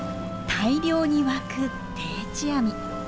大漁にわく定置網。